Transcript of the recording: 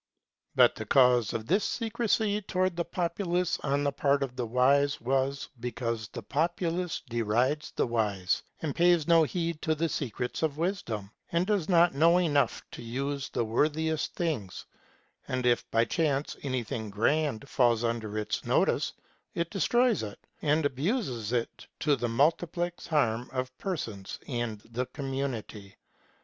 But the cause of this secrecy toward the populace on the part of the wise was, because the populace derides the wise, and pays no heed to the secrets of wisdom, 352 THE NON EXISTENCE OF MAGIC. and does not know enough to use the worthiest things ; and if by chance anything grand falls under its notice, it destroys it, and abuses it to the multiplex harm of persons and the com munity.